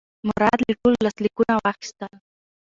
مراد له ټولو لاسلیکونه واخیستل.